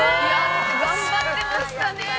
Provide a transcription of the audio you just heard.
◆頑張ってましたね。